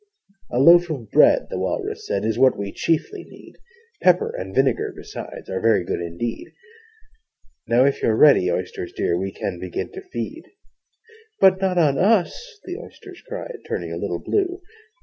'A loaf of bread,' the Walrus said, 'Is what we chiefly need: Pepper and vinegar besides Are very good indeed Now, if you're ready, Oysters dear, We can begin to feed.' 'But not on us!' the Oysters cried, Turning a little blue.